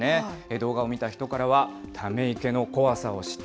動画を見た人からは、ため池の怖さを知った。